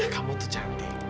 kamu tuh cantik